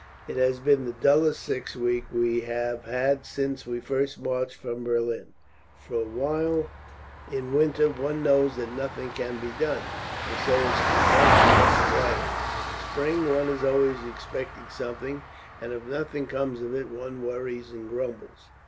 It has been the dullest six weeks we have had since we first marched from Berlin; for while in winter one knows that nothing can be done, and so is content to rest quietly, in spring one is always expecting something, and if nothing comes of it one worries and grumbles."